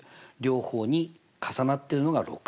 両方に重なってるのが６。